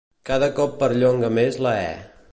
Cada cop perllonga més la e.